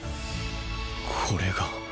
これが